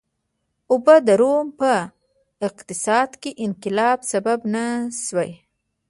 اوبه د روم په اقتصاد کې د انقلاب سبب نه شوې.